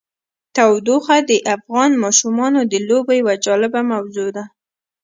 تودوخه د افغان ماشومانو د لوبو یوه جالبه موضوع ده.